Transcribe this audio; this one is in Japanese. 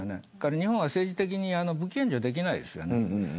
日本は政治的に武器援助ができないです。